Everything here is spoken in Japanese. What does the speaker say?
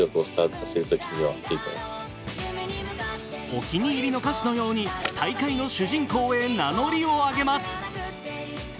お気に入りの歌詞のように大会の主人公へ名乗りを上げます。